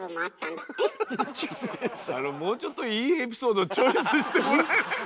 もうちょっといいエピソードチョイスしてもらえない？